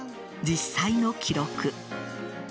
実際の記録。